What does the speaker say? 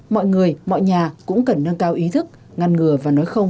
mọi người mọi nhà cũng cần nâng cao ý thức ngăn ngừa và nói không